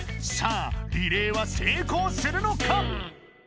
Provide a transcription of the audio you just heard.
さあリレーはせいこうするのか？